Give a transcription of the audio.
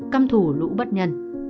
căm thủ lũ bất nhân